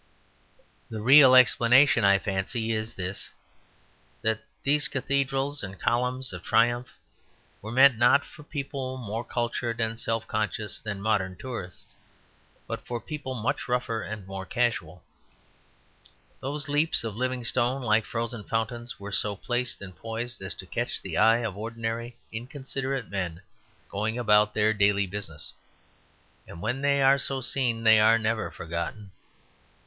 The real explanation, I fancy, is this: that these cathedrals and columns of triumph were meant, not for people more cultured and self conscious than modern tourists, but for people much rougher and more casual. Those leaps of live stone like frozen fountains, were so placed and poised as to catch the eye of ordinary inconsiderate men going about their daily business; and when they are so seen they are never forgotten.